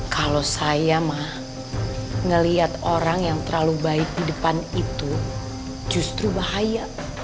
kalau saya mah ngelihat orang yang terlalu baik di depan itu justru bahaya